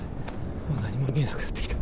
もう何も見えなくなってきた